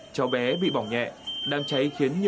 cháu bé bị bỏng nhẹ